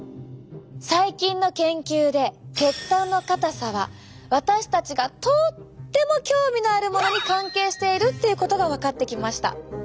最近の研究で血管の硬さは私たちがとっても興味のあるものに関係しているっていうことが分かってきました。